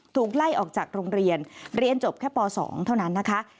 ถูกไล่ออกจากโรงเรียนเรียนจบแค่ป๒เท่านั้นนะคะ